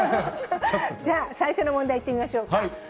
じゃあ、最初の問題やってみましょうか。